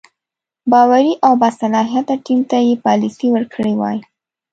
باوري او باصلاحیته ټیم ته یې پالیسي ورکړې وای.